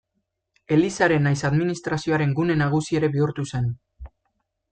Elizaren nahiz administrazioaren gune nagusi ere bihurtu zen.